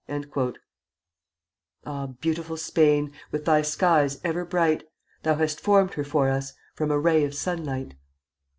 " [Footnote 1: Ah, beautiful Spain, With thy skies ever bright, Thou hast formed her for us From a ray of sunlight.